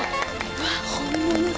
わっ本物だ。